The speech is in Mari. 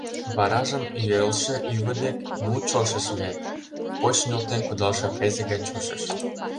Варажым йӧрлшӧ ӱвӧ дек ну чошыш вет, поч нӧлтен кудалше презе гай чошыш.